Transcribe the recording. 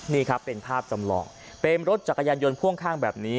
นี่ครับเป็นภาพจำลองเป็นรถจักรยานยนต์พ่วงข้างแบบนี้